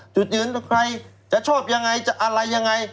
จุดยืนใครจะชอบอย่างไรจะอะไรอย่างไร